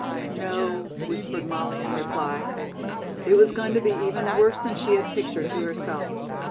"No," whispered Molly in reply. It was going to be even worse than she had pictured to herself.